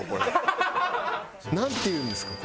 なんていうんですか？